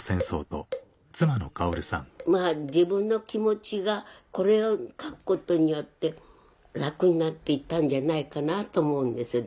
まぁ自分の気持ちがこれを書くことによって楽になって行ったんじゃないかなと思うんですよ